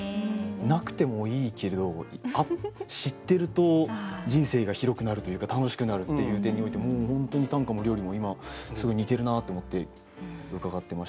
なくてもいいけれど知ってると人生が広くなるというか楽しくなるっていう点においてもう本当に短歌も料理も今すごい似てるなって思って伺ってました。